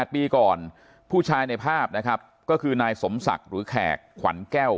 ๘ปีก่อนผู้ชายในภาพนะครับก็คือนายสมศักดิ์หรือแขกขวัญแก้ว